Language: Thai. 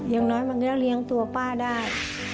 อย่างน้อยมันก็เลี้ยงตัวป้าได้